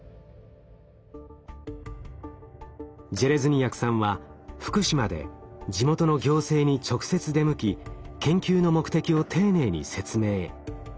ジェレズニヤクさんは福島で地元の行政に直接出向き研究の目的を丁寧に説明。